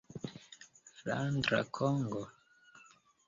Flandra Kongo?